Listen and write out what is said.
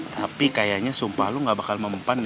tapi kayaknya sumpah lu gak bakal mempan ya